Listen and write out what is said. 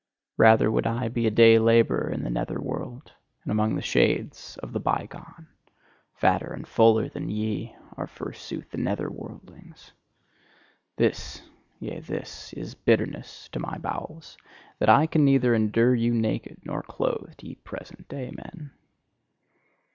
Rather would I be a day labourer in the nether world, and among the shades of the by gone! Fatter and fuller than ye, are forsooth the nether worldlings! This, yea this, is bitterness to my bowels, that I can neither endure you naked nor clothed, ye present day men!